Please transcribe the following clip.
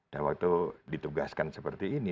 dan waktu ditugaskan seperti ini